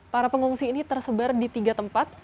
para pengungsi ini tersebar di tiga tempat